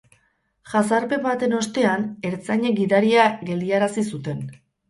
Jazarpen baten ostean, ertzainek gidaria geldiarazi zuten.